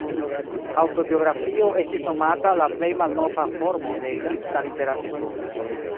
Aŭtobiografio estis nomata la plej malnova formo de egipta literaturo.